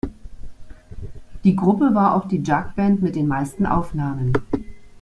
Die Gruppe war auch die Jug-Band mit den meisten Aufnahmen.